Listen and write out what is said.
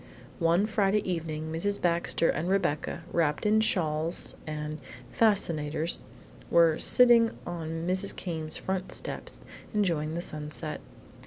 One Friday evening Mrs. Baxter and Rebecca, wrapped in shawls and "fascinators," were sitting on Mrs. Came's front steps enjoying the sunset.